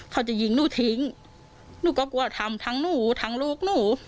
เขาจะยิงหนูทิ้งหนูก็กลัวทำทั้งหนูทั้งลูกหนู